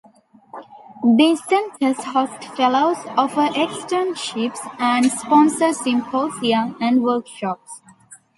These centers host fellows, offer externships, and sponsor symposia and workshops.